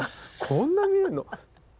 こんな見えるの！